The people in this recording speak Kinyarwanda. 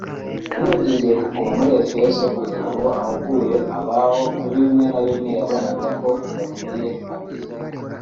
yamwingingiye kuguma muri Efeso kugira ngo ahugure abaho kuri bimwe na bimwe yabonaga ko bidakwiye mu bizera